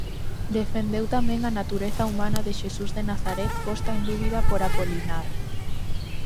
Defendeu tamén a natureza humana de Xesús de Nazaret posta en dúbida por Apolinar.